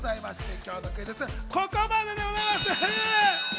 今日のクイズッス、ここまででございます。